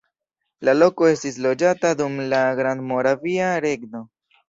La loko estis loĝata dum la Grandmoravia Regno.